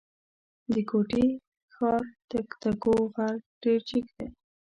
د کوټي ښار تکتو غر ډېر جګ دی.